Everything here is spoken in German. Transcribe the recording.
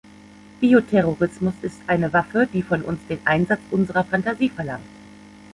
Bioterrorismus ist eine Waffe, die von uns den Einsatz unserer Phantasie verlangt.